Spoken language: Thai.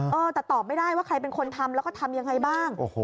เออแต่ตอบไม่ได้ว่าใครเป็นคนทำแล้วก็ทำยังไงบ้าง